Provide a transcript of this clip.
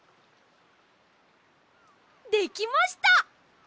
できました！